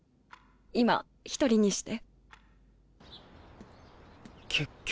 今一人にして。